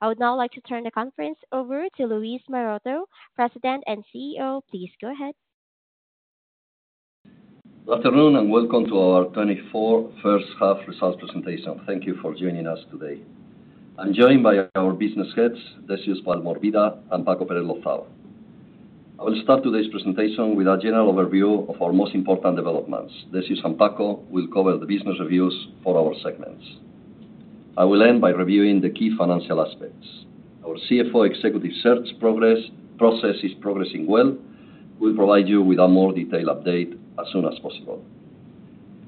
I would now like to turn the conference over to Luis Maroto, President and CEO. Please go ahead. Good afternoon, and welcome to our 2024 First Half Results Presentation. Thank you for joining us today. I'm joined by our business heads, Decius Valmorbida and Paco Pérez-Lozao. I will start today's presentation with a general overview of our most important developments. Decius and Paco will cover the business reviews for our segments. I will end by reviewing the key financial aspects. Our CFO executive search process is progressing well. We'll provide you with a more detailed update as soon as possible.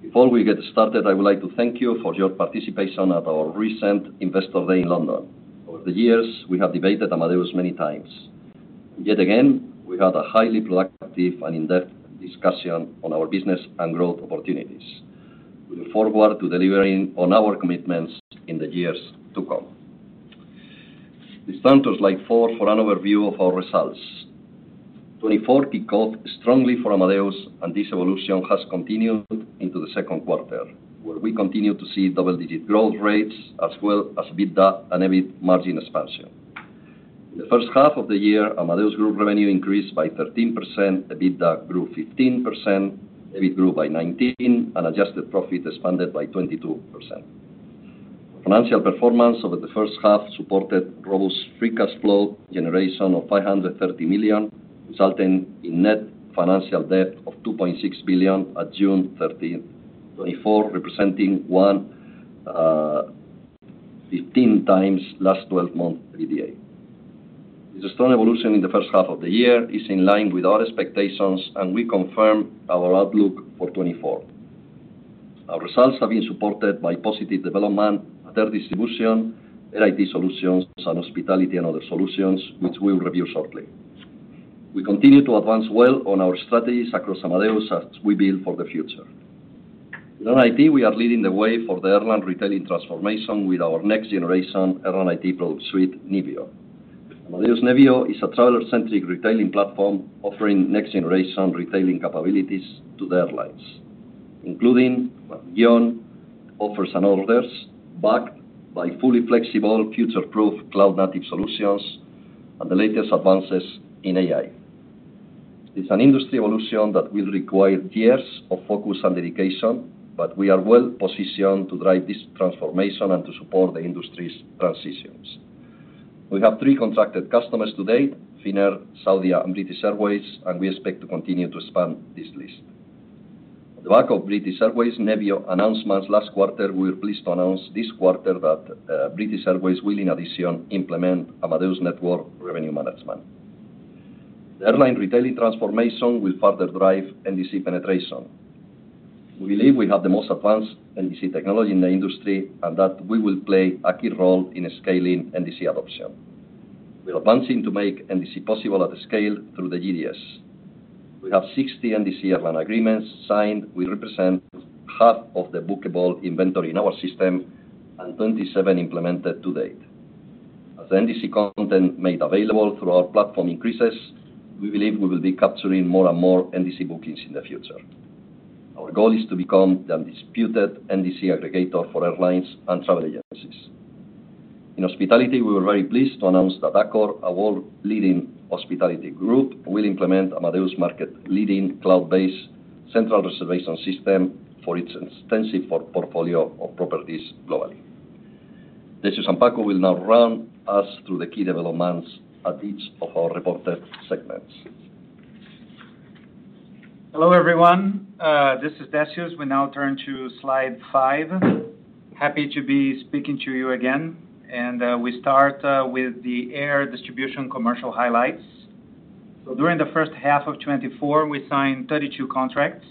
Before we get started, I would like to thank you for your participation at our recent Investor Day in London. Over the years, we have debated Amadeus many times. Yet again, we had a highly productive and in-depth discussion on our business and growth opportunities. We look forward to delivering on our commitments in the years to come. Let's turn to Slide 4 for an overview of our results. 2024 kicked off strongly for Amadeus, and this evolution has continued into the second quarter, where we continue to see double-digit growth rates as well as EBITDA and EBIT margin expansion. In the first half of the year, Amadeus Group revenue increased by 13%, EBITDA grew 15%, EBIT grew by 19%, and adjusted profit expanded by 22%. Financial performance over the first half of the year supported robust free cash flow generation of 530 million, resulting in net financial debt of 2.6 billion at June 13, 2024, representing 1.15 times last twelve-month EBITDA. This strong evolution in the first half of the year is in line with our expectations, and we confirm our outlook for 2024. Our results have been supported by positive development at Air Distribution, Airline IT Solutions, and Hospitality and Other Solutions, which we'll review shortly. We continue to advance well on our strategies across Amadeus as we build for the future. In Airline IT, we are leading the way for the airline retailing transformation with our next-generation Airline IT product suite, Nevio. Amadeus Nevio is a traveler-centric retailing platform offering next-generation retailing capabilities to the airlines, including beyond offers and orders, backed by fully flexible, future-proof, cloud-native solutions and the latest advances in AI. It's an industry evolution that will require years of focus and dedication, but we are well positioned to drive this transformation and to support the industry's transitions. We have three contracted customers to date, Finnair, Saudia, and British Airways, and we expect to continue to expand this list. the wake of the British Airways Nevio announcement last quarter, we are pleased to announce this quarter that British Airways will, in addition, implement Amadeus Network Revenue Management. The airline retailing transformation will further drive NDC penetration. We believe we have the most advanced NDC technology in the industry, and that we will play a key role in scaling NDC adoption. We are advancing to make NDC possible at scale through the GDS. We have 60 NDC airline agreements signed, which represent half of the bookable inventory in our system and 27 implemented to date. As the NDC content made available through our platform increases, we believe we will be capturing more and more NDC bookings in the future. Our goal is to become the undisputed NDC aggregator for airlines and travel agencies. In hospitality, we were very pleased to announce that Accor, a world-leading hospitality group, will implement Amadeus' market-leading cloud-based central reservation system for its extensive portfolio of properties globally. Decius and Paco will now run us through the key developments at each of our reported segments. Hello, everyone, this is Decius. We now turn to Slide 5. Happy to be speaking to you again, and we start with the air distribution commercial highlights. So during the first half of 2024, we signed 32 contracts,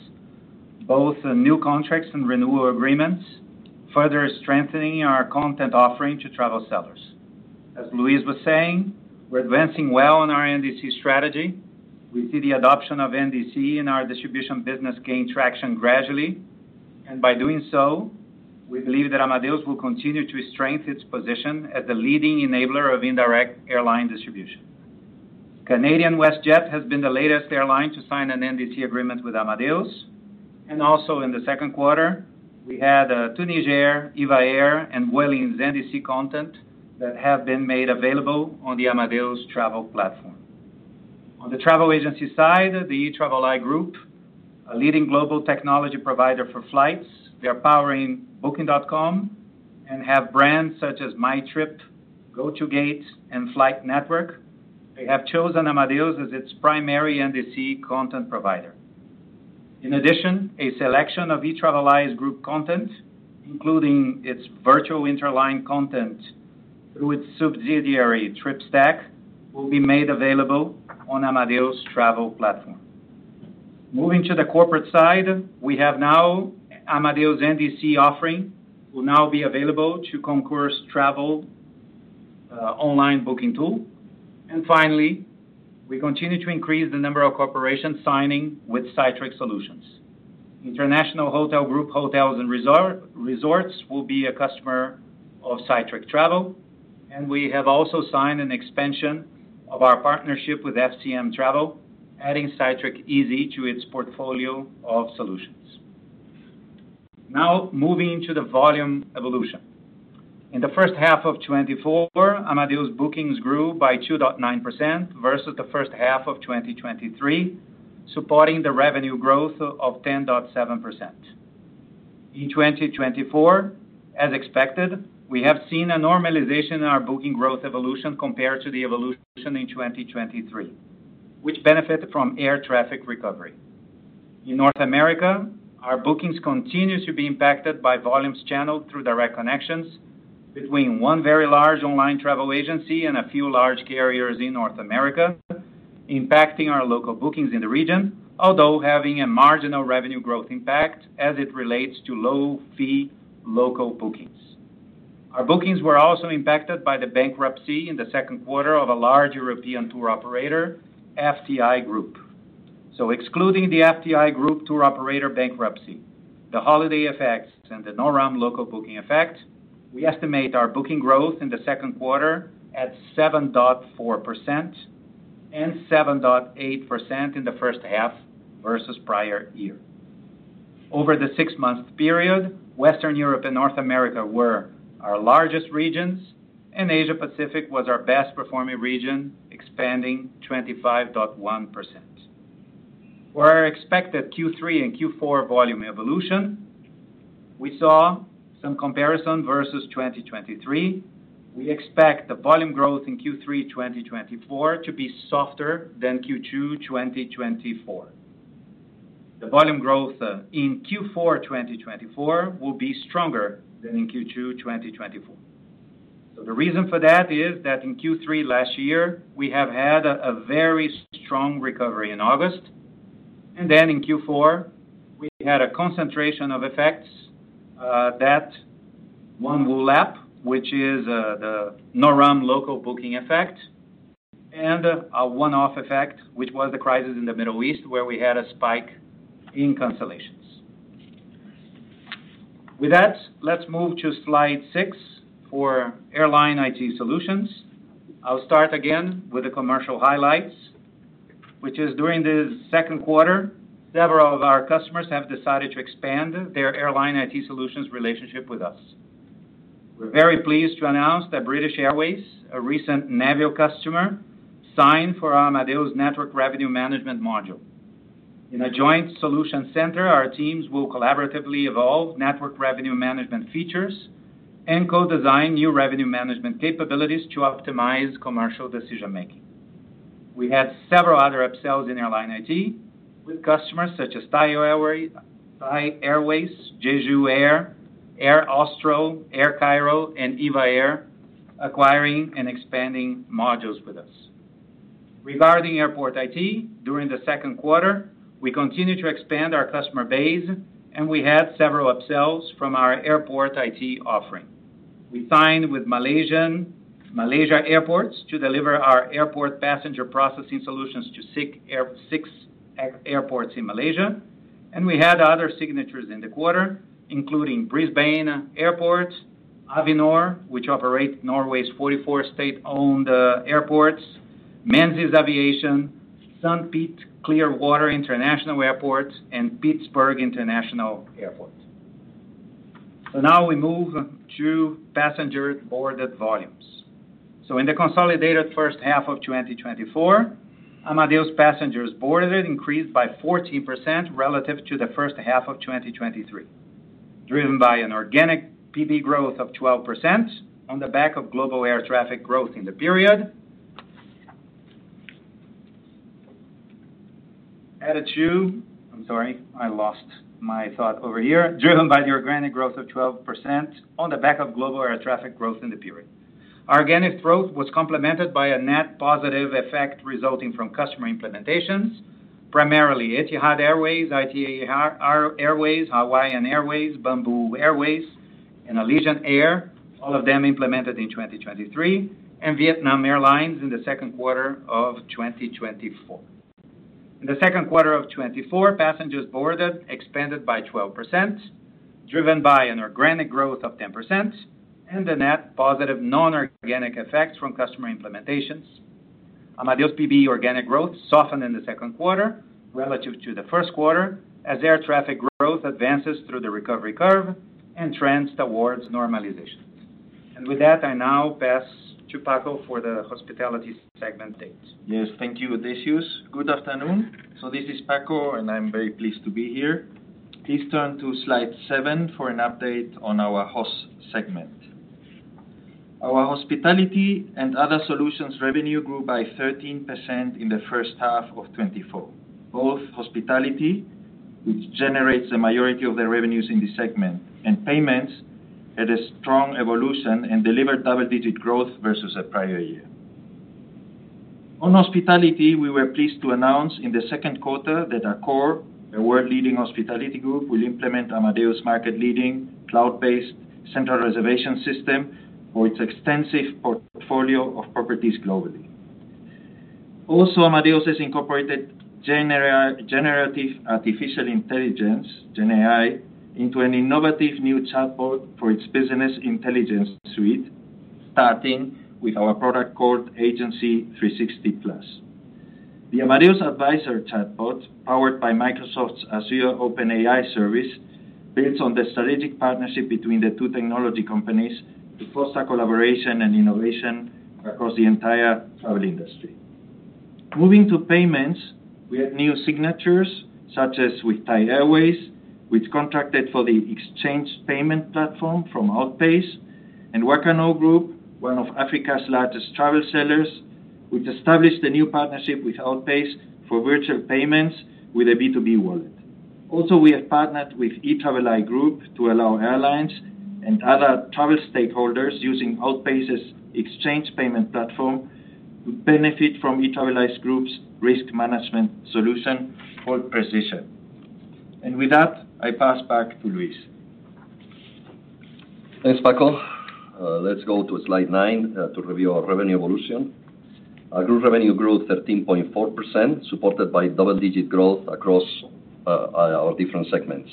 both new contracts and renewal agreements, further strengthening our content offering to travel sellers. As Luis was saying, we're advancing well on our NDC strategy. We see the adoption of NDC and our distribution business gain traction gradually, and by doing so, we believe that Amadeus will continue to strengthen its position as the leading enabler of indirect airline distribution. Canadian WestJet has been the latest airline to sign an NDC agreement with Amadeus, and also in the second quarter, we had Tunisair, EVA Air, and Vueling's NDC content that have been made available on the Amadeus Travel Platform. On the travel agency side, the eTraveli Group, a leading global technology provider for flights. They are powering Booking.com and have brands such as Mytrip, Gotogate, and Flight Network. They have chosen Amadeus as its primary NDC content provider. In addition, a selection of eTraveli Group content, including its virtual interline content through its subsidiary, TripStack, will be made available on Amadeus Travel Platform. Moving to the corporate side, we have now Amadeus NDC offering will now be available to Concur's Travel, online booking tool. And finally, we continue to increase the number of corporations signing with Cytric Solutions. IHG Hotels & Resorts will be a customer of Cytric Travel, and we have also signed an expansion of our partnership with FCM Travel, adding Cytric Easy to its portfolio of solutions. Now moving to the volume evolution. In the first half of 2024, Amadeus bookings grew by 2.9% versus the first half of 2023, supporting the revenue growth of 10.7%. In 2024, as expected, we have seen a normalization in our booking growth evolution compared to the evolution in 2023, which benefited from air traffic recovery. In North America, our bookings continue to be impacted by volumes channeled through direct connections between one very large online travel agency and a few large carriers in North America, impacting our local bookings in the region, although having a marginal revenue growth impact as it relates to low-fee local bookings. Our bookings were also impacted by the bankruptcy in the second quarter of a large European tour operator, FTI Group. So excluding the FTI Group tour operator bankruptcy, the holiday effects, and the NorAm local booking effect, we estimate our booking growth in the second quarter at 7.4% and 7.8% in the first half versus prior year. Over the six-month period, Western Europe and North America were our largest regions, and Asia Pacific was our best performing region, expanding 25.1%. For our expected Q3 and Q4 volume evolution, we saw some comparison versus 2023. We expect the volume growth in Q3, 2024 to be softer than Q2, 2024. The volume growth in Q4, 2024 will be stronger than in Q2, 2024. So the reason for that is that in Q3 last year, we had a very strong recovery in August, and then in Q4, we had a concentration of effects that one will lap, which is the NorAm local booking effect, and a one-off effect, which was the crisis in the Middle East, where we had a spike in cancellations. With that, let's move to Slide 6 for Airline IT Solutions. I'll start again with the commercial highlights, which is during the second quarter, several of our customers have decided to expand their Airline IT Solutions relationship with us. We're very pleased to announce that British Airways, a recent Nevio customer, signed for Amadeus Network Revenue Management module. In a joint solution center, our teams will collaboratively evolve network revenue management features and co-design new revenue management capabilities to optimize commercial decision-making. We had several other upsells in Airline IT with customers such as Thai Airways, Jeju Air, Air Austral, Air Cairo, and EVA Air, acquiring and expanding modules with us. Regarding Airport IT, during the second quarter, we continued to expand our customer base, and we had several upsells from our Airport IT offering. We signed with Malaysia Airports to deliver our airport passenger processing solutions to six airports in Malaysia, and we had other signatures in the quarter, including Brisbane Airport, Avinor, which operate Norway's 44 state-owned airports, Menzies Aviation, St. Pete–Clearwater International Airport, and Pittsburgh International Airport. So now we move to passenger boarded volumes. In the consolidated first half of 2024, Amadeus passengers boarded increased by 14% relative to the first half of 2023, driven by an organic PB growth of 12% on the back of global air traffic growth in the period. Driven by the organic growth of 12% on the back of global air traffic growth in the period. Organic growth was complemented by a net positive effect resulting from customer implementations, primarily Etihad Airways, ITA Airways, Hawaiian Airlines, Bamboo Airways, and Allegiant Air, all of them implemented in 2023, and Vietnam Airlines in the second quarter of 2024. In the second quarter of 2024, passengers boarded expanded by 12%, driven by an organic growth of 10% and a net positive non-organic effects from customer implementations. Amadeus PB organic growth softened in the second quarter relative to the first quarter as air traffic growth advances through the recovery curve and trends towards normalization. With that, I now pass to Paco for the hospitality segment detail. Yes, thank you, Decius. Good afternoon. So this is Paco, and I'm very pleased to be here. Please turn to Slide 7 for an update on our HOS segment. Our hospitality and other solutions revenue grew by 13% in the first half of 2024. Both hospitality, which generates the majority of the revenues in this segment, and payments, had a strong evolution and delivered double-digit growth versus the prior year. On hospitality, we were pleased to announce in the second quarter that Accor, a world-leading hospitality group, will implement Amadeus' market-leading, cloud-based central reservation system for its extensive portfolio of properties globally. Also, Amadeus has incorporated generative artificial intelligence, GenAI, into an innovative new chatbot for its business intelligence suite, starting with our product called Agency360+.... The Amadeus Advisor chatbot, powered by Microsoft's Azure OpenAI Service, builds on the strategic partnership between the two technology companies to foster collaboration and innovation across the entire travel industry. Moving to payments, we have new signatures, such as with Thai Airways, which contracted for the Exchange Payment Platform from Outpayce, and Wakanow Group, one of Africa's largest travel sellers, which established a new partnership with Outpayce for virtual payments with a B2B wallet. Also, we have partnered with eTraveli Group to allow airlines and other travel stakeholders using Outpayce's Exchange Payment Platform to benefit from eTraveli Group's risk management solution for precision. And with that, I pass back to Luis. Thanks, Paco. Let's go to Slide 9 to review our revenue evolution. Our group revenue grew 13.4%, supported by double-digit growth across our different segments.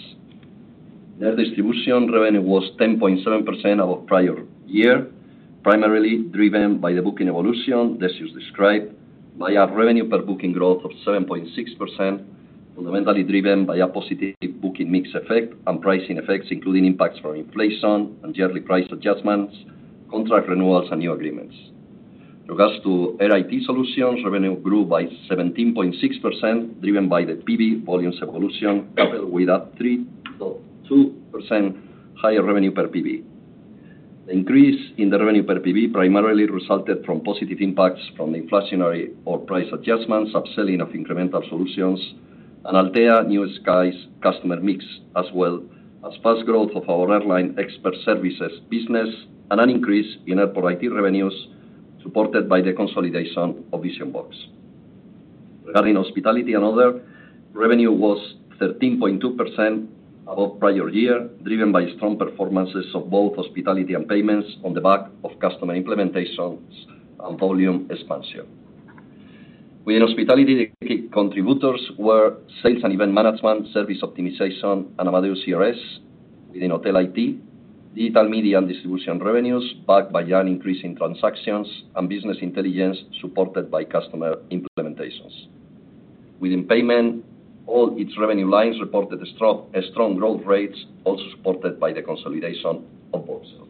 Net distribution revenue was 10.7% of our prior year, primarily driven by the booking evolution, as just described, by our revenue per booking growth of 7.6%, fundamentally driven by a positive booking mix effect and pricing effects, including impacts from inflation and yearly price adjustments, contract renewals, and new agreements. Regarding Airline IT Solutions, revenue grew by 17.6%, driven by the PB volumes evolution, coupled with a 3.2% higher revenue per PB. The increase in the revenue per PB primarily resulted from positive impacts from the inflationary or price adjustments, upselling of incremental solutions, and Altéa New Skies customer mix, as well as fast growth of our airline expert services business, and an increase in airport IT revenues, supported by the consolidation of Vision-Box. Regarding hospitality and other, revenue was 13.2% above prior year, driven by strong performances of both hospitality and payments on the back of customer implementations and volume expansion. Within hospitality, the key contributors were sales and event management, service optimization, and Amadeus CRS. Within Hotel IT, digital media and distribution revenues, backed by an increase in transactions and business intelligence, supported by customer implementations. Within payment, all its revenue lines reported a strong growth rates, also supported by the consolidation of Voxel.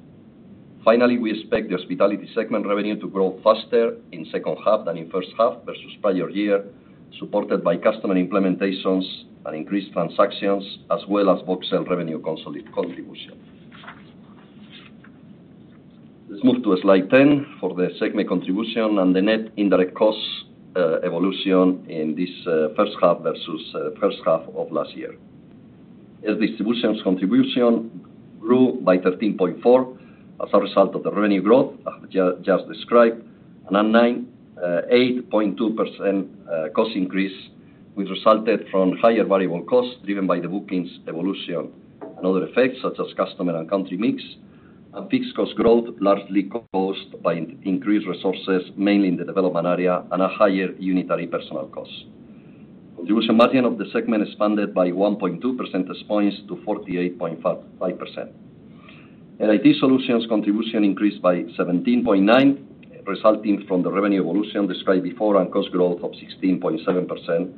Finally, we expect the hospitality segment revenue to grow faster in second half than in first half versus prior year, supported by customer implementations and increased transactions, as well as Voxel revenue consolidation contribution. Let's move to Slide 10 for the segment contribution and the net indirect costs evolution in this first half versus first half of last year. As Distribution's contribution grew by 13.4% as a result of the revenue growth I've just described, and a lean 8.2% cost increase, which resulted from higher variable costs, driven by the bookings evolution and other effects, such as customer and country mix, and fixed cost growth, largely caused by increased resources, mainly in the development area, and a higher unitary personnel cost. Production margin of the segment expanded by 1.2% which points to 48.5%. IT Solutions contribution increased by 17.9, resulting from the revenue evolution described before, and cost growth of 16.7%,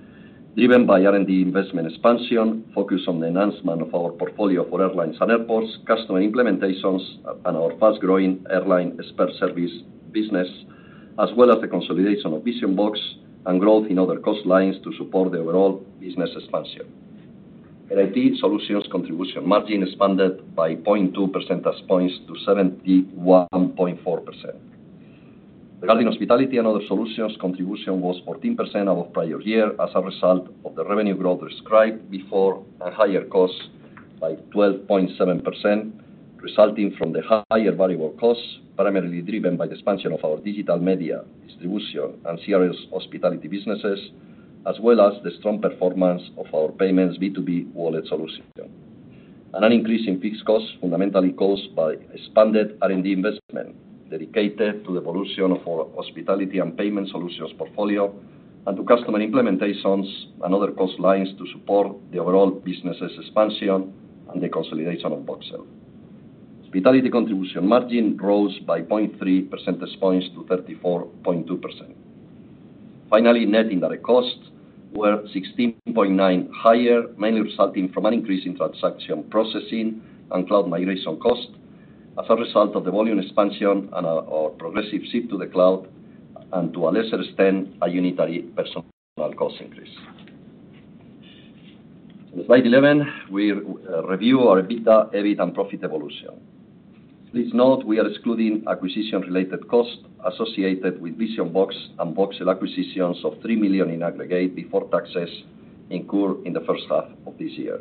driven by R&D investment expansion, focus on the enhancement of our portfolio for airlines and airports, customer implementations, and our fast-growing airline expert service business, as well as the consolidation of Vision-Box and growth in other cost lines to support the overall business expansion. IT Solutions contribution margin expanded by 0.2 percentage points to 71.4%. Regarding Hospitality and Other Solutions, contribution increased 14% over the prior year as a result of the revenue growth described before, and higher costs by 12.7%, resulting from the higher variable costs, primarily driven by the expansion of our digital media distribution and CRS hospitality businesses, as well as the strong performance of our payments B2B Wallet solution. An increase in fixed costs, fundamentally caused by expanded R&D investment, dedicated to the evolution of our hospitality and payment solutions portfolio, and to customer implementations and other cost lines to support the overall business's expansion and the consolidation of Voxel. Hospitality contribution margin rose by 0.3 percentage points to 34.2%. Finally, net indirect costs were 16.9% higher, mainly resulting from an increase in transaction processing and cloud migration cost, as a result of the volume expansion and our progressive shift to the cloud, and to a lesser extent, a unitary personal cost increase. In Slide 11, we review our EBITDA, EBIT and profit evolution. Please note, we are excluding acquisition-related costs associated with Vision-Box and Voxel acquisitions of 3 million in aggregate before taxes incur in the first half of this year.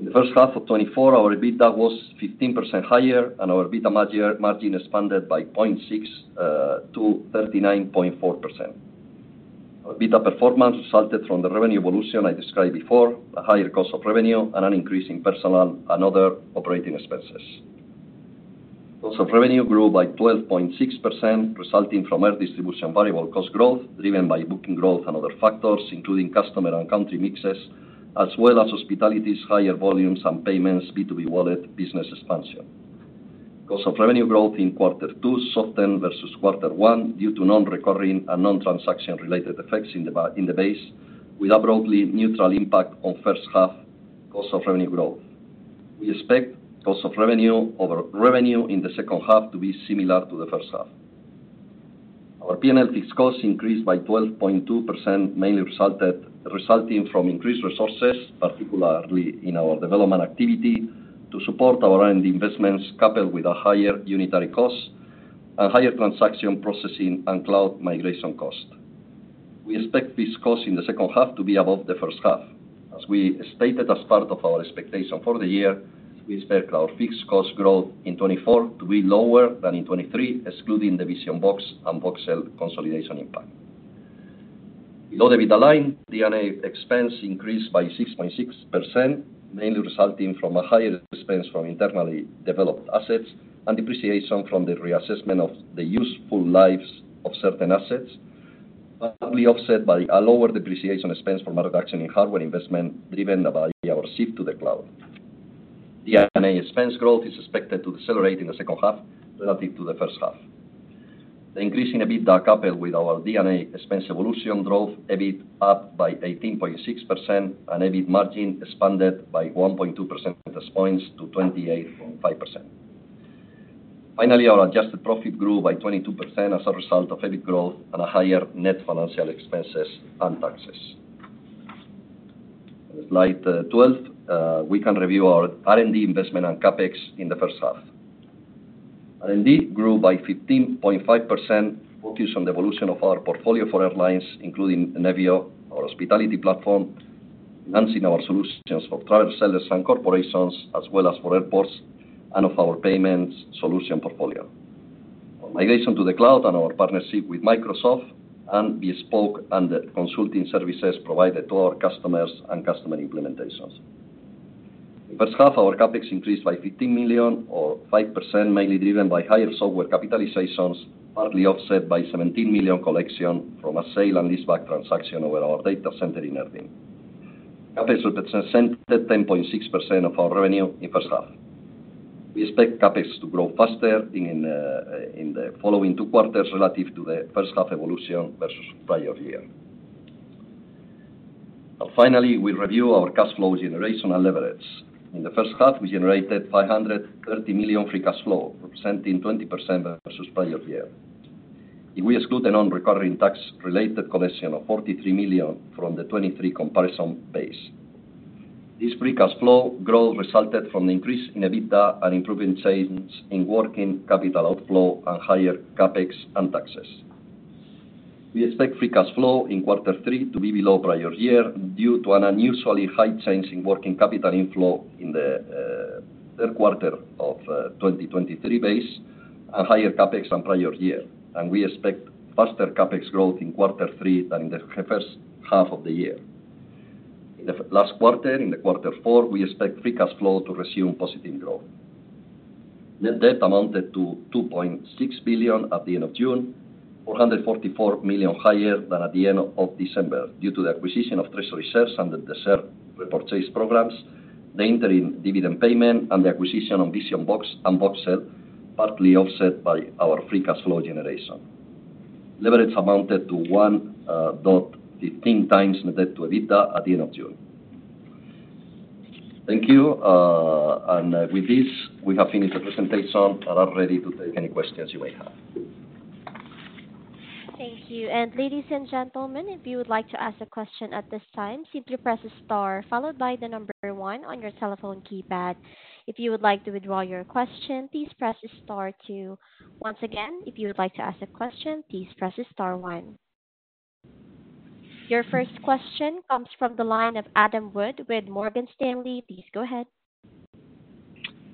In the first half of 2024, our EBITDA was 15% higher, and our EBITDA margin expanded by 0.6 to 39.4%. Our EBITDA performance resulted from the revenue evolution I described before, a higher cost of revenue, and an increase in personnel and other operating expenses. Cost of revenue grew by 12.6%, resulting from air distribution variable cost growth, driven by booking growth and other factors, including customer and country mixes, as well as hospitality's higher volumes and payments, B2B wallet, business expansion. Cost of revenue growth in quarter two softened versus quarter one due to non-recurring and non-transaction related effects in the base, with a broadly neutral impact on first half cost of revenue growth. We expect cost of revenue over revenue in the second half to be similar to the first half. Our P&L fixed costs increased by 12.2%, mainly resulting from increased resources, particularly in our development activity, to support our R&D investments, coupled with a higher unitary cost and higher transaction processing and cloud migration cost. We expect this cost in the second half to be above the first half. As we stated, as part of our expectation for the year, we expect our fixed cost growth in 2024 to be lower than in 2023, excluding the Vision-Box and Voxel consolidation impact. Below the EBITDA line, D&A expense increased by 6.6%, mainly resulting from a higher expense from internally developed assets and depreciation from the reassessment of the useful lives of certain assets, partly offset by a lower depreciation expense from a reduction in hardware investment, driven by our shift to the cloud. D&A expense growth is expected to decelerate in the second half relative to the first half. The increase in EBITDA, coupled with our D&A expense evolution, drove EBIT up by 18.6% and EBIT margin expanded by 1.2 percentage points to 28.5%. Finally, our adjusted profit grew by 22% as a result of EBIT growth and a higher net financial expenses and taxes. In Slide 12, we can review our R&D investment and CapEx in the first half. R&D grew by 15.5%, focused on the evolution of our portfolio for airlines, including Nevio, our hospitality platform, enhancing our solutions for travel sellers and corporations, as well as for airports and of our payments solution portfolio. Our migration to the cloud and our partnership with Microsoft and bespoke and the consulting services provided to our customers and customer implementations. In first half, our CapEx increased by 15 million or 5%, mainly driven by higher software capitalizations, partly offset by 17 million collection from a sale and leaseback transaction over our data center in Erding. CapEx represented 10.6% of our revenue in first half. We expect CapEx to grow faster in the following two quarters relative to the first half evolution versus prior year. Finally, we review our cash flow generation and leverage. In the first half, we generated 530 million free cash flow, representing 20% versus prior year. If we exclude the non-recurring tax-related collection of 43 million from the 2023 comparison base, this free cash flow growth resulted from the increase in EBITDA and improving changes in working capital outflow and higher CapEx and taxes. We expect free cash flow in quarter three to be below prior year, due to an unusually high change in working capital inflow in the third quarter of 2023 base and higher CapEx on prior year, and we expect faster CapEx growth in quarter three than in the first half of the year. In the last quarter, in the quarter four, we expect free cash flow to resume positive growth. Net debt amounted to 2.6 billion at the end of June, 444 million higher than at the end of December, due to the acquisition of Treasury shares under the share repurchase programs, the interim dividend payment and the acquisition of Vision-Box and Voxel, partly offset by our free cash flow generation. Leverage amounted to 1.15 times net debt to EBITDA at the end of June. Thank you, and with this, we have finished the presentation and are ready to take any questions you may have. Thank you. And ladies and gentlemen, if you would like to ask a question at this time, simply press star, followed by the number one on your telephone keypad. If you would like to withdraw your question, please press star two. Once again, if you would like to ask a question, please press star one. Your first question comes from the line of Adam Wood with Morgan Stanley. Please go ahead.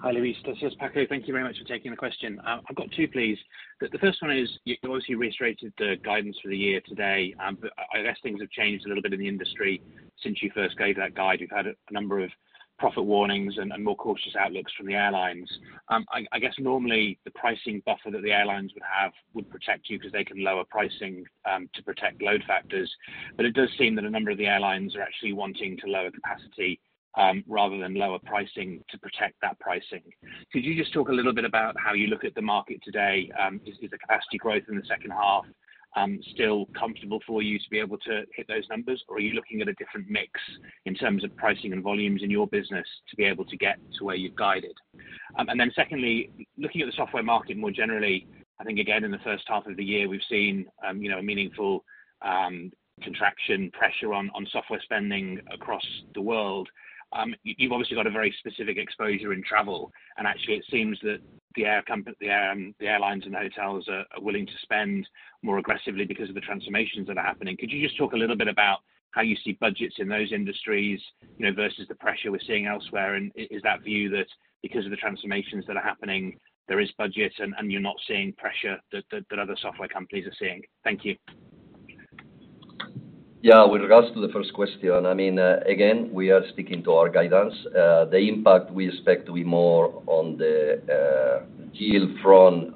Hi, Luis. This is Paco. Thank you very much for taking the question. I've got two, please. The, the first one is, you obviously reiterated the guidance for the year today, but I, I guess things have changed a little bit in the industry since you first gave that guide. We've had a, a number of profit warnings and, and more cautious outlooks from the airlines. I, I guess normally the pricing buffer that the airlines would have would protect you, 'cause they can lower pricing, to protect load factors. But it does seem that a number of the airlines are actually wanting to lower capacity, rather than lower pricing to protect that pricing. Could you just talk a little bit about how you look at the market today? Is the capacity growth in the second half still comfortable for you to be able to hit those numbers? Or are you looking at a different mix in terms of pricing and volumes in your business to be able to get to where you've guided? And then secondly, looking at the software market more generally, I think again, in the first half of the year, we've seen, you know, a meaningful contraction pressure on software spending across the world. You've obviously got a very specific exposure in travel, and actually it seems that the airlines and hotels are willing to spend more aggressively because of the transformations that are happening. Could you just talk a little bit about how you see budgets in those industries, you know, versus the pressure we're seeing elsewhere? Is that the view that because of the transformations that are happening, there is budget and you're not seeing pressure that other software companies are seeing? Thank you. Yeah. With regards to the first question, I mean, again, we are sticking to our guidance. The impact we expect to be more on the yield from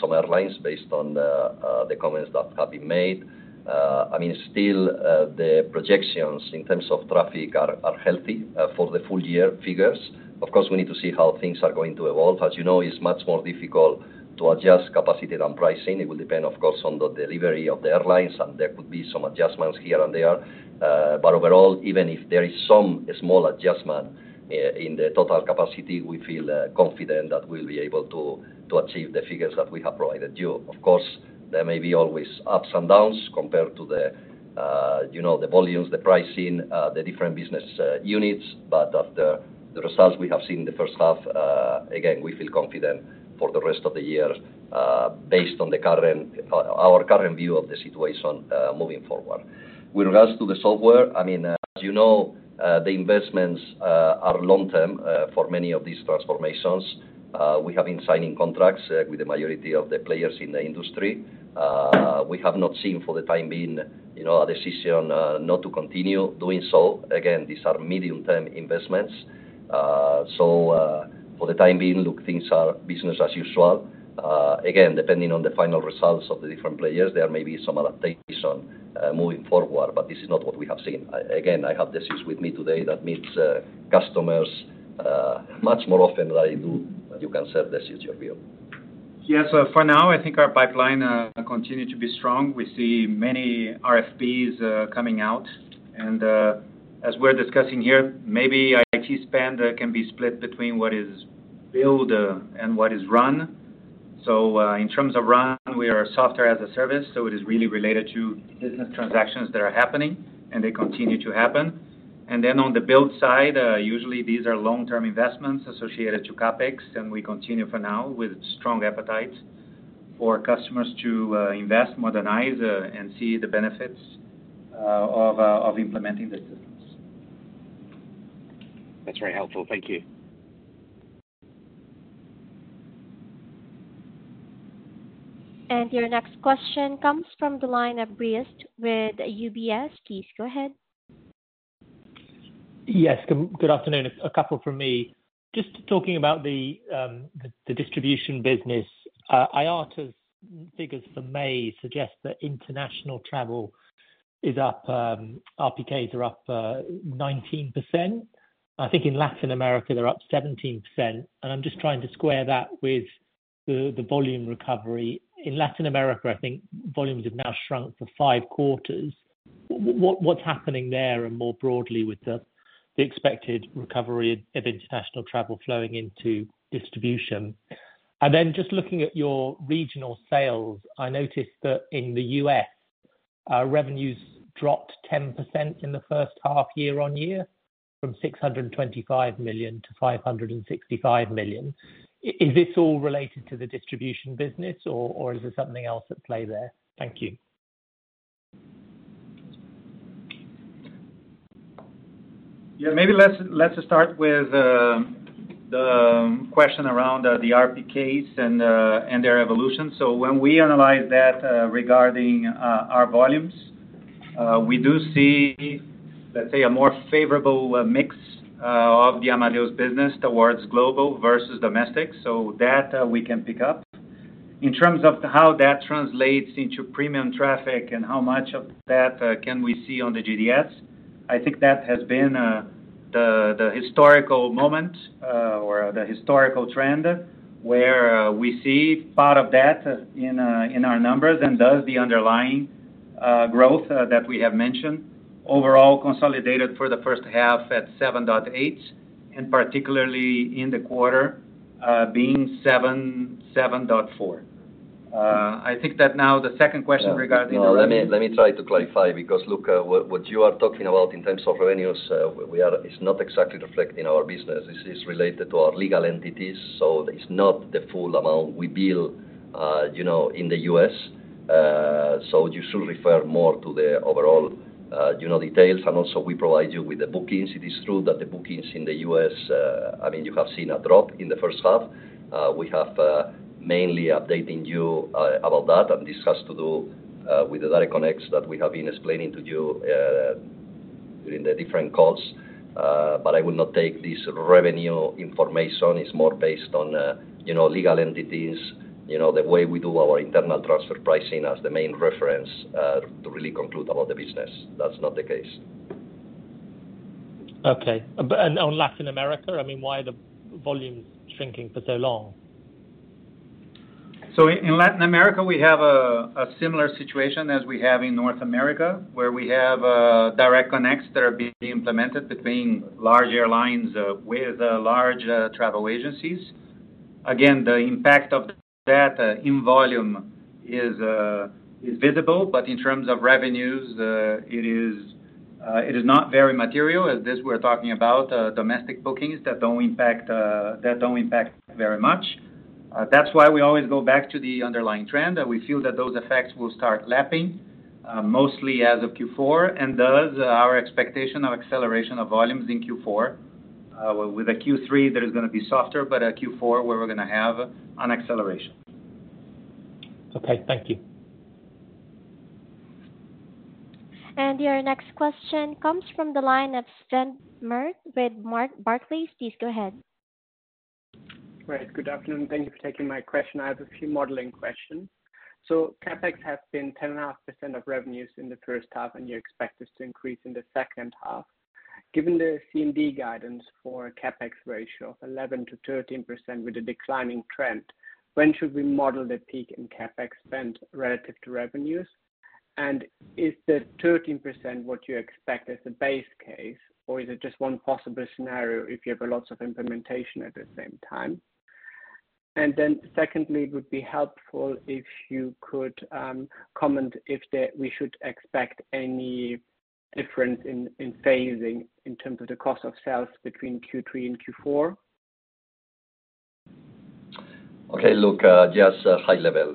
some airlines based on the comments that have been made. I mean, still, the projections in terms of traffic are healthy for the full year figures. Of course, we need to see how things are going to evolve. As you know, it's much more difficult to adjust capacity than pricing. It will depend, of course, on the delivery of the airlines, and there could be some adjustments here and there. But overall, even if there is some small adjustment in the total capacity, we feel confident that we'll be able to achieve the figures that we have provided you. Of course, there may be always ups and downs compared to the, you know, the volumes, the pricing, the different business, units. But after the results we have seen in the first half, again, we feel confident for the rest of the year, based on the current—our current view of the situation, moving forward. With regards to the software, I mean, as you know, the investments, are long-term, for many of these transformations. We have been signing contracts, with the majority of the players in the industry. We have not seen for the time being, you know, a decision, not to continue doing so. Again, these are medium-term investments. So, for the time being, look, things are business as usual. Again, depending on the final results of the different players, there may be some adaptation moving forward, but this is not what we have seen. Again, I have Decius with me today. That meets customers much more often than I do. You can say this is your view. Yes, so for now, I think our pipeline continue to be strong. We see many RFPs coming out, and as we're discussing here, maybe IT spend can be split between what is build and what is run. So in terms of run, we are a software as a service, so it is really related to business transactions that are happening, and they continue to happen. And then on the build side, usually these are long-term investments associated to CapEx, and we continue for now with strong appetite for customers to invest, modernize, and see the benefits of implementing the systems. That's very helpful. Thank you. Your next question comes from the line of Briest with UBS. Please go ahead. Yes, good afternoon. A couple from me. Just talking about the distribution business, IATA's figures for May suggest that international travel is up, RPKs are up 19%. I think in Latin America, they're up 17%, and I'm just trying to square that with the volume recovery. In Latin America, I think volumes have now shrunk for five quarters. What’s happening there, and more broadly, with the expected recovery of international travel flowing into distribution? And then just looking at your regional sales, I noticed that in the U.S., revenues dropped 10% in the first half year-on-year, from 625 million-565 million. Is this all related to the distribution business, or is there something else at play there? Thank you. Yeah, maybe let's just start with the question around the RPKs and their evolution. So when we analyze that, regarding our volumes, we do see, let's say, a more favorable mix of the Amadeus business towards global versus domestic, so that we can pick up. In terms of how that translates into premium traffic and how much of that can we see on the GDS, I think that has been the historical moment or the historical trend, where we see part of that in our numbers, and thus the underlying growth that we have mentioned. Overall, consolidated for the first half at 7.8, and particularly in the quarter, being 7.74. I think that now the second question regarding the- No, let me try to clarify, because, look, what you are talking about in terms of revenues, we are—it's not exactly reflected in our business. This is related to our legal entities, so it's not the full amount we bill, you know, in the U.S. So you should refer more to the overall, you know, details, and also we provide you with the bookings. It is true that the bookings in the U.S., I mean, you have seen a drop in the first half. We have mainly updating you about that, and this has to do with the Direct Connects that we have been explaining to you in the different calls. But I would not take this revenue information; it's more based on, you know, legal entities, you know, the way we do our internal transfer pricing as the main reference, to really conclude about the business. That's not the case. Okay. And on Latin America, I mean, why are the volumes shrinking for so long? So in Latin America, we have a similar situation as we have in North America, where we have direct connects that are being implemented between large airlines with large travel agencies. Again, the impact of that in volume is visible, but in terms of revenues, it is not very material, as this we're talking about domestic bookings that don't impact that don't impact very much. That's why we always go back to the underlying trend, and we feel that those effects will start lapping mostly as of Q4, and thus our expectation of acceleration of volumes in Q4. With the Q3, that is gonna be softer, but at Q4, we're gonna have an acceleration. Okay, thank you.... Your next question comes from the line of Sven Merkt with Barclays. Please go ahead. Right. Good afternoon. Thank you for taking my question. I have a few modeling questions. So CapEx has been 10.5% of revenues in the first half, and you expect this to increase in the second half. Given the CMD guidance for CapEx ratio of 11%-13% with a declining trend, when should we model the peak in CapEx spend relative to revenues? And is the 13% what you expect as the base case, or is it just one possible scenario if you have lots of implementation at the same time? And then secondly, it would be helpful if you could comment if we should expect any difference in phasing in terms of the cost of sales between Q3 and Q4. Okay, look, just high level.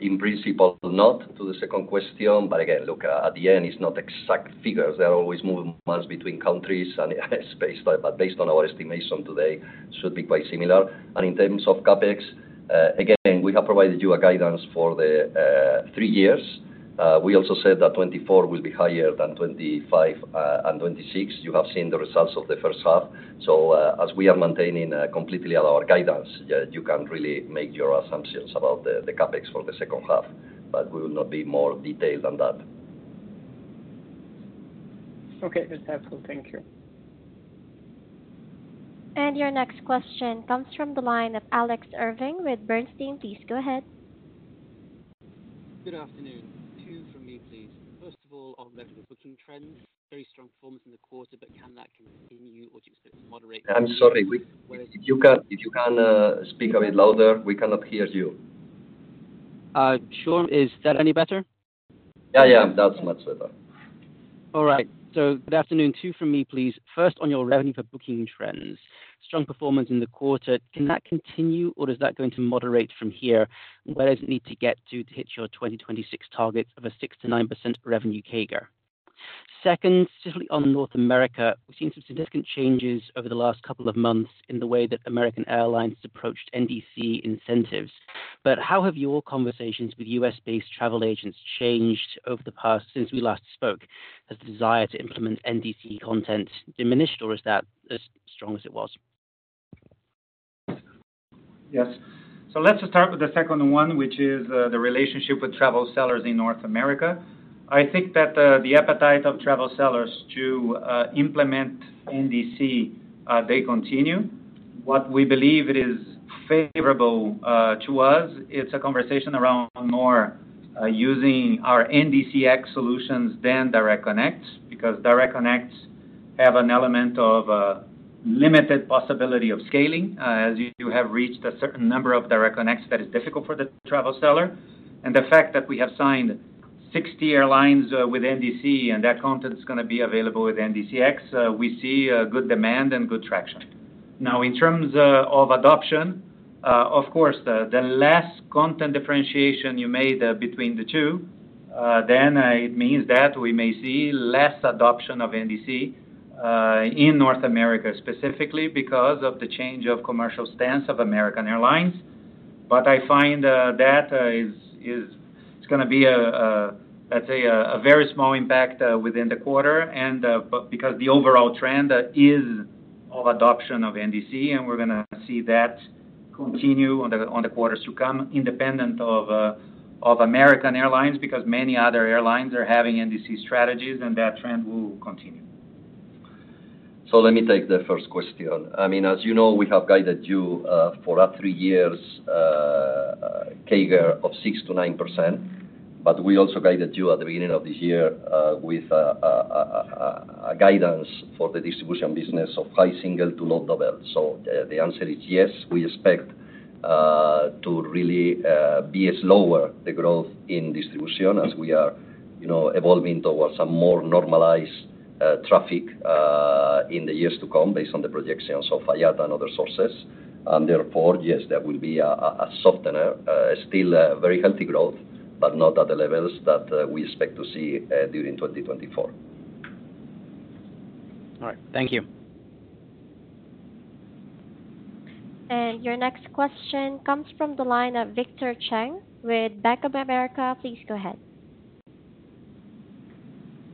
In principle, not to the second question, but again, look, at the end, it's not exact figures. They are always moving months between countries and space. But based on our estimation today, should be quite similar. And in terms of CapEx, again, we have provided you a guidance for the three years. We also said that 2024 will be higher than 2025 and 2026. You have seen the results of the first half. So, as we are maintaining completely our guidance, you can really make your assumptions about the CapEx for the second half, but we will not be more detailed on that. Okay, that's helpful. Thank you. Your next question comes from the line of Alex Irving with Bernstein. Please go ahead. Good afternoon. Two from me, please. First of all, on booking trends, very strong performance in the quarter, but can that continue, or do you expect to moderate? I'm sorry, if you can, if you can, speak a bit louder, we cannot hear you. Sure. Is that any better? Yeah, yeah, that's much better. All right. So good afternoon, two from me, please. First, on your revenue for booking trends, strong performance in the quarter, can that continue, or is that going to moderate from here? Where does it need to get to, to hit your 2026 targets of a 6%-9% revenue CAGR? Second, just on North America, we've seen some significant changes over the last couple of months in the way that American Airlines approached NDC incentives. But how have your conversations with U.S.-based travel agents changed over the past, since we last spoke, as the desire to implement NDC content diminished, or is that as strong as it was? Yes. So let's just start with the second one, which is, the relationship with travel sellers in North America. I think that, the appetite of travel sellers to, implement NDC, they continue. What we believe it is favorable, to us, it's a conversation around more, using our NDCX solutions than Direct Connect, because Direct Connect have an element of, limited possibility of scaling, as you have reached a certain number of Direct Connects that is difficult for the travel seller. And the fact that we have signed 60 airlines, with NDC, and that content is gonna be available with NDCX, we see a good demand and good traction. Now, in terms of adoption, of course, the less content differentiation you made between the two, then it means that we may see less adoption of NDC in North America, specifically because of the change of commercial stance of American Airlines. But I find that it's gonna be a, let's say, a very small impact within the quarter. But because the overall trend is of adoption of NDC, and we're gonna see that continue on the quarters to come, independent of American Airlines, because many other airlines are having NDC strategies, and that trend will continue. So let me take the first question. I mean, as you know, we have guided you for our three years CAGR of 6%-9%, but we also guided you at the beginning of the year with a guidance for the distribution business of high single to low double. So the answer is yes, we expect to really be slower, the growth in distribution, as we are, you know, evolving towards a more normalized traffic in the years to come, based on the projections of IATA and other sources. And therefore, yes, there will be a softener, still a very healthy growth, but not at the levels that we expect to see during 2024. All right. Thank you. Your next question comes from the line of Victor Cheng with Bank of America. Please go ahead.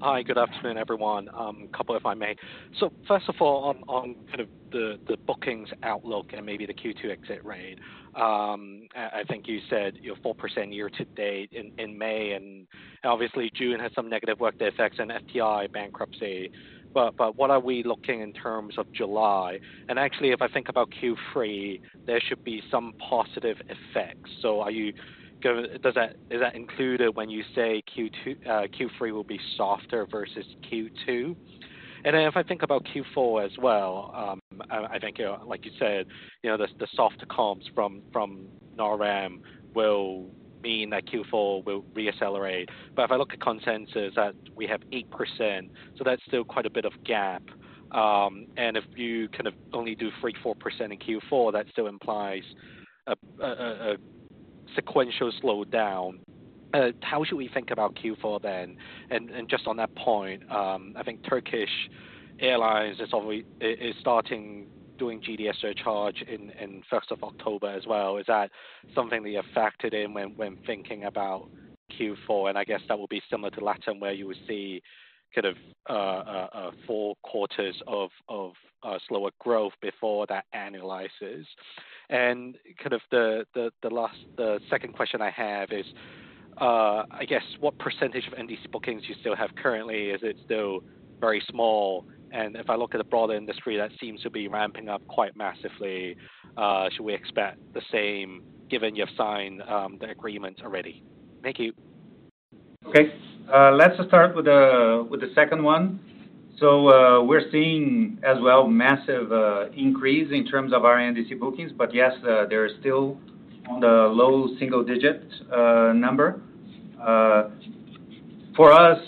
Hi, good afternoon, everyone. Couple if I may. So first of all, on kind of the bookings outlook and maybe the Q2 exit rate, I think you said, you know, 4% year to date in May, and obviously June had some negative workday effects and FTI bankruptcy. But what are we looking in terms of July? And actually, if I think about Q3, there should be some positive effects. So are you going—does that, is that included when you say Q2—Q3 will be softer versus Q2? And then if I think about Q4 as well, I think, like you said, you know, the softer comps from Noram will mean that Q4 will reaccelerate. But if I look at consensus, and we have 8%, so that's still quite a bit of gap. And if you kind of only do 3%-4% in Q4, that still implies a sequential slowdown. How should we think about Q4 then? And just on that point, I think Turkish Airlines is obviously starting doing GDS surcharge in October 1st as well. Is that something that you factored in when thinking about Q4? And I guess that will be similar to LATAM, where you would see kind of four quarters of slower growth before that annualizes. And the second question I have is, I guess, what percentage of NDC bookings you still have currently? Is it still very small? If I look at the broader industry, that seems to be ramping up quite massively. Should we expect the same, given you've signed the agreement already? Thank you. Okay, let's start with the, with the second one. So, we're seeing as well, massive increase in terms of our NDC bookings, but yes, they're still on the low single digit number. For us,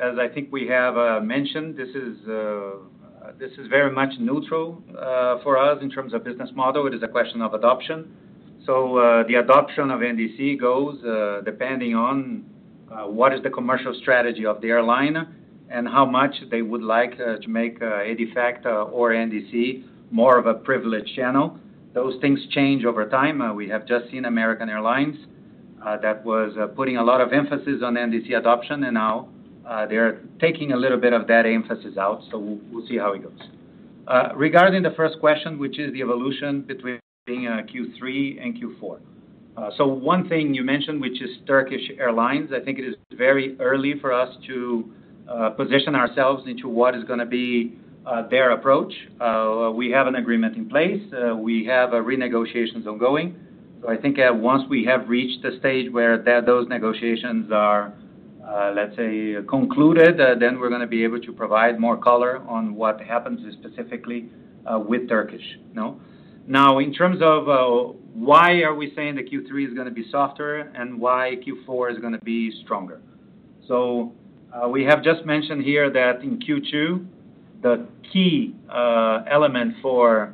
as I think we have mentioned, this is very much neutral for us in terms of business model. It is a question of adoption. So, the adoption of NDC goes depending on what is the commercial strategy of the airline, and how much they would like to make EDIFACT or NDC more of a privileged channel. Those things change over time. We have just seen American Airlines that was putting a lot of emphasis on NDC adoption, and now, they're taking a little bit of that emphasis out, so we'll see how it goes. Regarding the first question, which is the evolution between Q3 and Q4. So one thing you mentioned, which is Turkish Airlines, I think it is very early for us to position ourselves into what is gonna be their approach. We have an agreement in place, we have renegotiations ongoing. So I think, once we have reached the stage where those negotiations are, let's say, concluded, then we're gonna be able to provide more color on what happens specifically with Turkish, you know? Now, in terms of why are we saying that Q3 is gonna be softer, and why Q4 is gonna be stronger? So, we have just mentioned here that in Q2, the key element for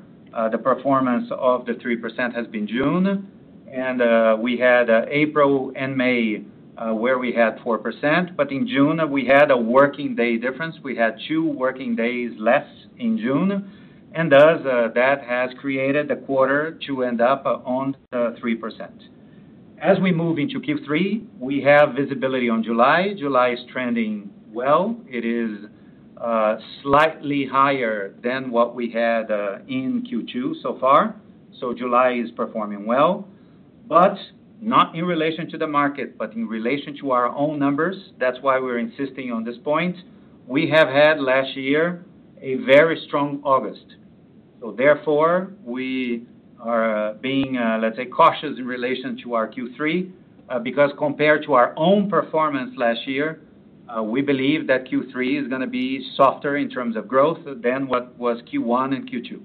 the performance of the 3% has been June. We had April and May where we had 4%, but in June, we had a working day difference. We had 2 working days less in June, and thus that has created the quarter to end up on 3%. As we move into Q3, we have visibility on July. July is trending well. It is slightly higher than what we had in Q2 so far, so July is performing well. But not in relation to the market, but in relation to our own numbers, that's why we're insisting on this point. We have had, last year, a very strong August, so therefore, we are being, let's say, cautious in relation to our Q3. Because compared to our own performance last year, we believe that Q3 is gonna be softer in terms of growth than what was Q1 and Q2.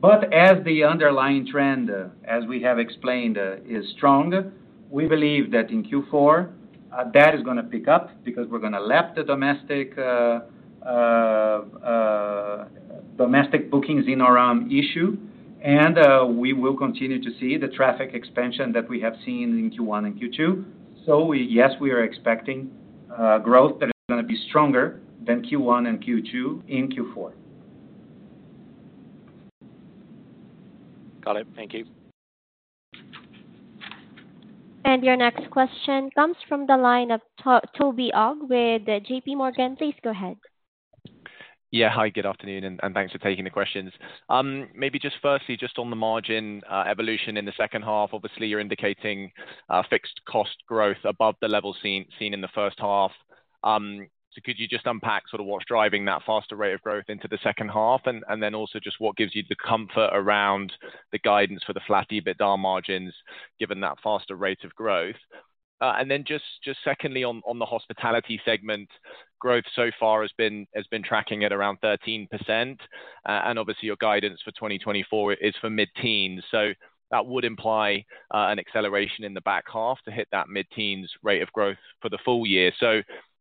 But as the underlying trend, as we have explained, is strong, we believe that in Q4, that is gonna pick up, because we're gonna lap the domestic, domestic bookings in around Q3. And we will continue to see the traffic expansion that we have seen in Q1 and Q2. So yes, we are expecting growth that is gonna be stronger than Q1 and Q2, in Q4. Got it. Thank you. Your next question comes from the line of Toby Ogg with JP Morgan. Please go ahead. Yeah. Hi, good afternoon, and thanks for taking the questions. Maybe just firstly, just on the margin evolution in the second half, obviously you're indicating fixed cost growth above the level seen in the first half. So could you just unpack sort of what's driving that faster rate of growth into the second half? And then also just what gives you the comfort around the guidance for the flat EBITDA margins, given that faster rate of growth? And then just secondly on the hospitality segment, growth so far has been tracking at around 13%, and obviously your guidance for 2024 is for mid-teens. So that would imply an acceleration in the back half to hit that mid-teens rate of growth for the full year.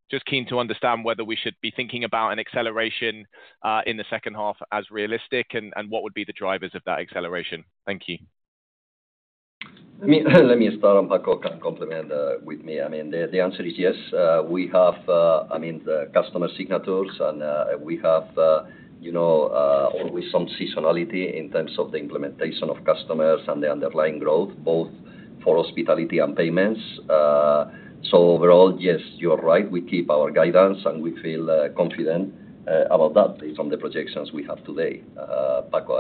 Just keen to understand whether we should be thinking about an acceleration in the second half as realistic, and what would be the drivers of that acceleration? Thank you. Let me start, and Paco can complement with me. I mean, the answer is yes, we have, I mean, the customer signatures and, we have, you know, always some seasonality in terms of the implementation of customers and the underlying growth, both for hospitality and payments. So overall, yes, you are right, we keep our guidance, and we feel confident about that from the projections we have today. Paco,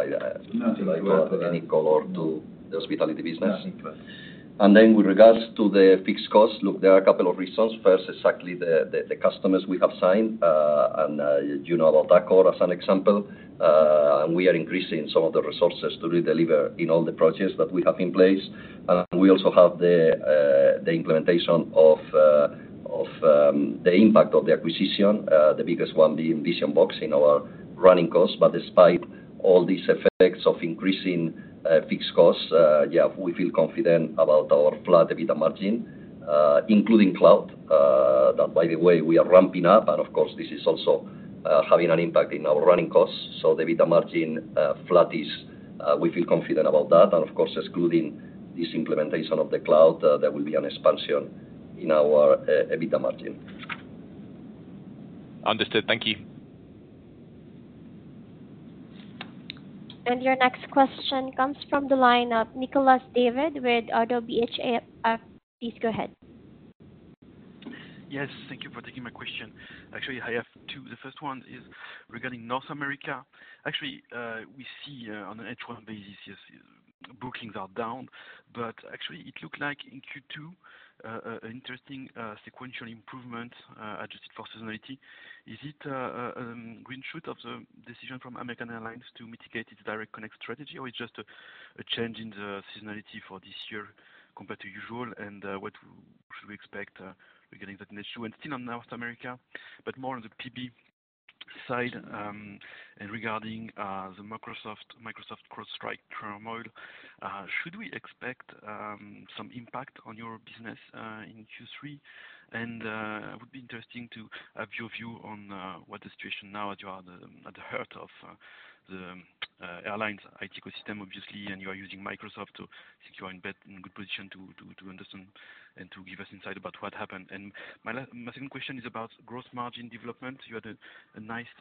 Nothing to add to that. Any color to the hospitality business? Nothing. And then with regards to the fixed cost, look, there are a couple of reasons. First, exactly the customers we have signed, and you know about that Accor as an example. And we are increasing some of the resources to redeliver in all the projects that we have in place. And we also have the implementation of the impact of the acquisition, the biggest one being Vision-Box in our running costs. But despite all these effects of increasing fixed costs, yeah, we feel confident about our flat EBITDA margin, including cloud, that by the way, we are ramping up, and of course, this is also having an impact in our running costs. So the EBITDA margin flat is we feel confident about that, and of course, excluding this implementation of the cloud, there will be an expansion in our EBITDA margin. Understood. Thank you. Your next question comes from the line of Nicolas David with Oddo BHF. Please go ahead. Yes, thank you for taking my question. Actually, I have two. The first one is regarding North America. Actually, we see, on an H1 basis, yes, bookings are down, but actually it looked like in Q2, interesting, sequential improvement, adjusted for seasonality. Is it, green shoot of the decision from American Airlines to mitigate its direct connect strategy, or it's just a, a change in the seasonality for this year compared to usual? And, what should we expect, regarding that next issue? And still on North America, but more on the PB side, and regarding, the Microsoft, Microsoft CrowdStrike turmoil, should we expect, some impact on your business, in Q3? It would be interesting to have your view on what the situation now is, as you are at the heart of the airlines IT ecosystem, obviously, and you are using Microsoft to think you are in good position to understand and to give us insight about what happened. My second question is about growth margin development. You had a nice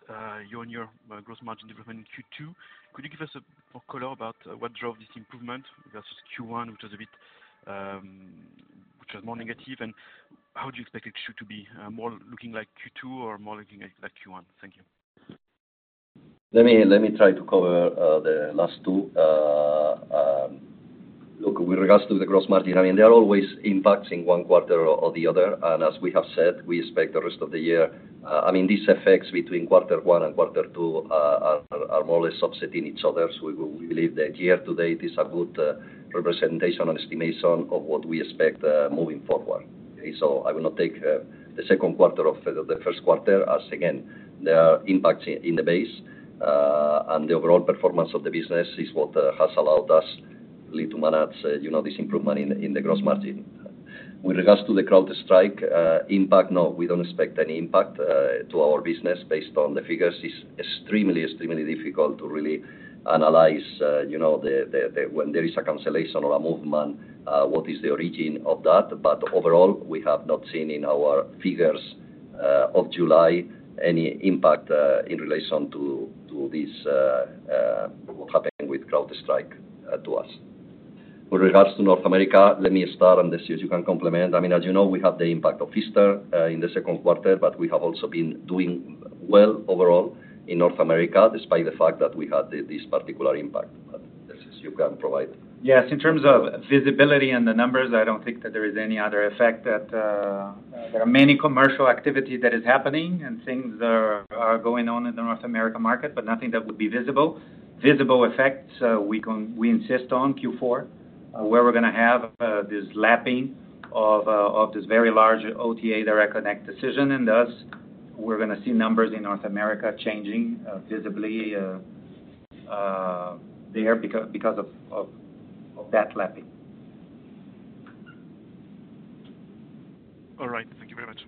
year-on-year growth margin development in Q2. Could you give us more color about what drove this improvement versus Q1, which was a bit more negative? And how do you expect it should to be more looking like Q2 or more looking like Q1? Thank you. Let me try to cover the last two. Look, with regards to the gross margin, I mean, there are always impacts in one quarter or the other, and as we have said, we expect the rest of the year. I mean, these effects between quarter one and quarter two are more or less offsetting each other. So we believe that year to date is a good representation and estimation of what we expect moving forward. Okay. So I will not take the second quarter over the first quarter as again, there are impacts in the base, and the overall performance of the business is what has allowed us to manage, you know, this improvement in the gross margin. With regards to the CrowdStrike impact, no, we don't expect any impact to our business based on the figures. It's extremely, extremely difficult to really analyze, you know, when there is a cancellation or a movement, what is the origin of that? But overall, we have not seen in our figures of July any impact in relation to this what happened with CrowdStrike to us. With regards to North America, let me start on this, so you can complement. I mean, as you know, we have the impact of Easter in the second quarter, but we have also been doing well overall in North America, despite the fact that we had this particular impact. But this is, you can provide. Yes, in terms of visibility and the numbers, I don't think that there is any other effect that, there are many commercial activity that is happening, and things are going on in the North America market, but nothing that would be visible. Visible effects, we insist on Q4, where we're gonna have, this lapping of this very large OTA direct connect decision, and thus, we're gonna see numbers in North America changing, visibly, there because of that lapping. All right. Thank you very much.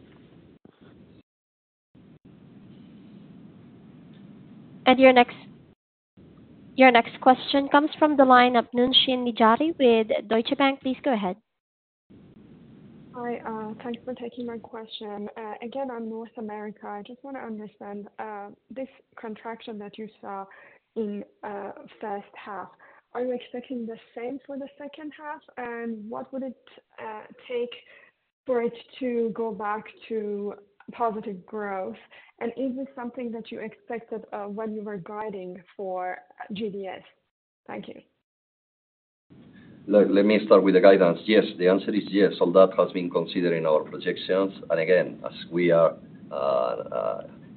Your next question comes from the line of Nooshin Nejati with Deutsche Bank. Please go ahead. Hi, thanks for taking my question. Again, on North America, I just want to understand this contraction that you saw in first half, are you expecting the same for the second half? And what would it take for it to go back to positive growth? And is this something that you expected when you were guiding for GDS? Thank you. Let me start with the guidance. Yes, the answer is yes. All that has been considered in our projections. And again, as we are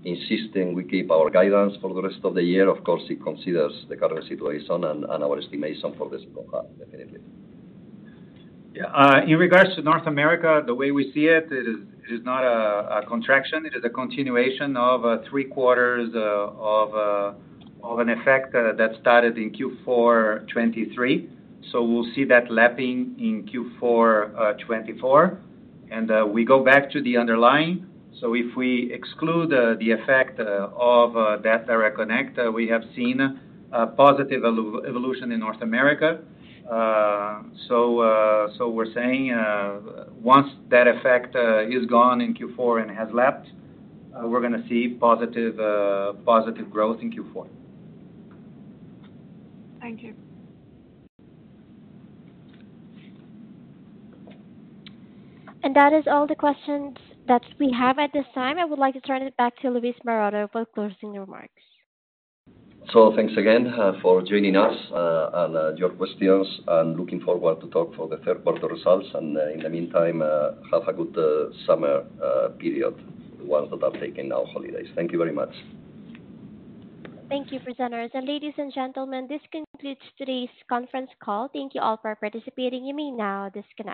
insisting we keep our guidance for the rest of the year, of course, it considers the current situation and our estimation for this growth, definitely. Yeah, in regards to North America, the way we see it is, it is not a contraction, it is a continuation of three quarters of an effect that started in Q4 2023. So we'll see that lapping in Q4 2024. And we go back to the underlying. So if we exclude the effect of that direct connect, we have seen a positive evolution in North America. So we're saying, once that effect is gone in Q4 and has lapped, we're gonna see positive growth in Q4. Thank you. That is all the questions that we have at this time. I would like to turn it back to Luis Maroto for closing remarks. So, thanks again for joining us and your questions, and looking forward to talk for the third quarter results. In the meantime, have a good summer period, the ones that are taking now holidays. Thank you very much. Thank you, presenters. Ladies and gentlemen, this concludes today's conference call. Thank you all for participating. You may now disconnect.